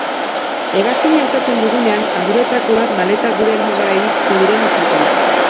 Hegazkina hautatzen dugunean, arduretako bat maletak gure helmugara iritsiko diren izaten da.